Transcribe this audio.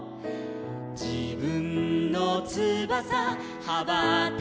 「じぶんのつばさはばたかせて」